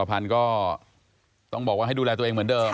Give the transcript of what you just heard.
พันธุ์ก็ต้องบอกว่าให้ดูแลตัวเองเหมือนเดิม